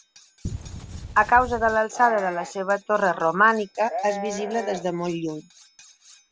A causa de l'alçada de la seva torre romànica és visible des de molt lluny.